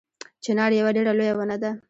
چنار یوه ډیره لویه ونه ده